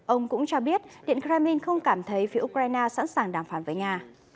ông cũng cho biết điện kremlin không cảm thấy phía ukraine sẵn sàng đàm phán với nga